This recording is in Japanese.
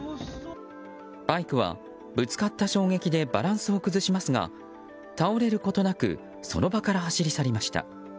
バイクはぶつかった衝撃でバランスを崩しますが倒れることなくその場から走り去りました。